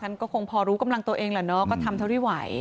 ก็คงพอรู้กำลังตัวเองแหละเนาะก็ทำเท่าที่ไหว